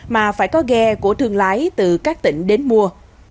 mà phải có ghe của thương lái từ các tỉnh đến mua